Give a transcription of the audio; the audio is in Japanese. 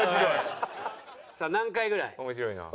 さあ何回ぐらい？